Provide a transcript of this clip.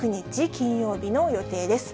金曜日の予定です。